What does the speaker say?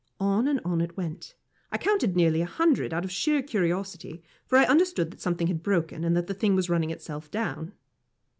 On and on it went. I counted nearly a hundred, out of sheer curiosity, for I understood that something had broken and that the thing was running itself down.